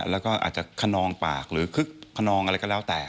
แล้วก็อาจจะขนองปากหรือคึกขนองอะไรก็แล้วแต่